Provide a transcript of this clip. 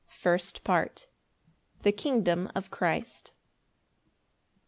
First Part. The kingdom of Christ.